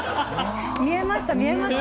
見えました見えました。